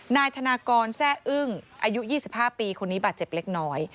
นายธนากรแซ่อึ้งอายุ๒๕ปีคนนี้บาดเจ็บเล็กน้อย